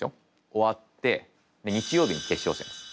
終わって日曜日に決勝戦です。